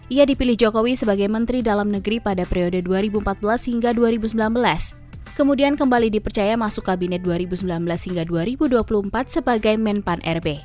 ia dipilih jokowi sebagai menteri dalam negeri pada periode dua ribu empat belas hingga dua ribu sembilan belas kemudian kembali dipercaya masuk kabinet dua ribu sembilan belas hingga dua ribu dua puluh empat sebagai menpan rb